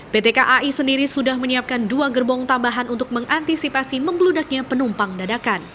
pt kai sendiri sudah menyiapkan dua gerbong tambahan untuk mengantisipasi membeludaknya penumpang dadakan